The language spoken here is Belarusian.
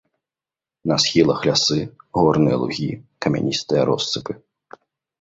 На схілах лясы, горныя лугі, камяністыя россыпы.